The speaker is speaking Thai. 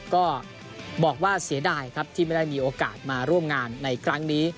ก็บอกว่าเสียดายครับที่ไม่ได้มีโอกาสมาร่วมงานในครั้งนี้